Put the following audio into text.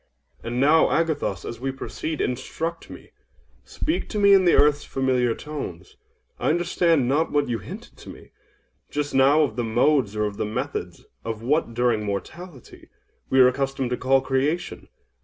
And now, Agathos, as we proceed, instruct me!—speak to me in the earth's familiar tones. I understand not what you hinted to me, just now, of the modes or of the method of what, during mortality, we were accustomed to call Creation.